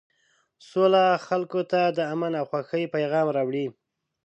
سوله خلکو ته د امن او خوښۍ پیغام راوړي.